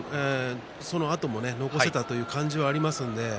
そのあとも残せたという感じがあります。